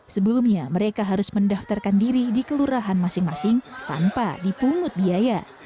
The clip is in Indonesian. sebelumnya mereka harus mendaftarkan diri di kelurahan masing masing tanpa dipungut biaya